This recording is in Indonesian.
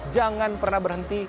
jangan pernah berhenti